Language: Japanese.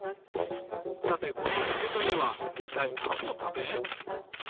さてこのトゲトゲはいったいなんのため？